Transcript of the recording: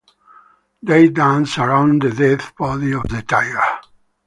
They dance around the dead body of the tiger.